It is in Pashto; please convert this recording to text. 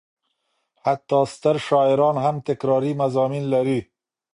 حتی ستر شاعران هم تکراري مضامین لري.